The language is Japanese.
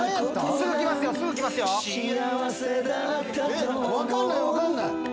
えっ分かんない分かんない。